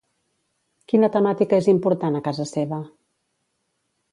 Quina temàtica és important a casa seva?